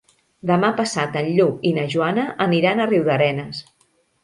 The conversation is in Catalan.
Demà passat en Lluc i na Joana aniran a Riudarenes.